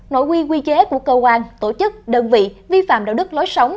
nội quy quy chế của cơ quan tổ chức đơn vị vi phạm đạo đức lối sống